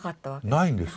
ないんですよ。